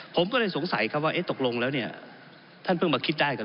ผมเตือนไปยังผู้ใต้บังคับประชาของท่านนะครับ